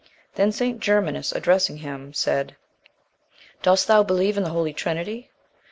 Then St. Germanus, addressing him, said "Dost thou believe in the Holy Trinity?"